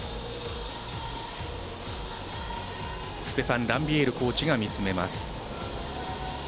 ステファン・ランビエールコーチが見つめます。